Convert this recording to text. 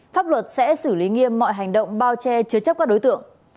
pháp luật sẽ xử lý nghiêm mọi hành động bao che chứa chấp các đối tượng